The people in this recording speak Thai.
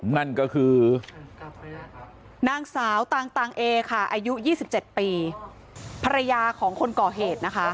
นั่นก็คือนางสาวต่างเอค่ะอายุ๒๗ปีภรรยาของคนก่อเหตุนะคะ